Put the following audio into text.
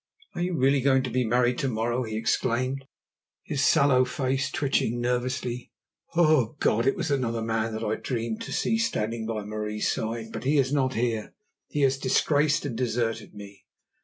Are you really going to be married to morrow?" he exclaimed, his sallow face twitching nervously. "O God, it was another man that I dreamed to see standing by Marie's side. But he is not here; he has disgraced and deserted me.